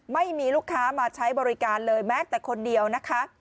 ไม่มีลูกค้ามาใช้บริการเลยแม้แต่คนเดียวนะคะ